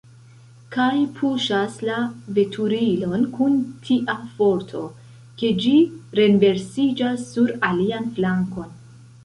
kaj puŝas la veturilon kun tia forto, ke ĝi renversiĝas sur alian flankon.